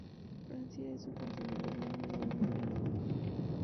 Francia es su consumidor número uno en el mundo.